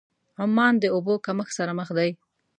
عمان د اوبو کمښت سره مخ دی.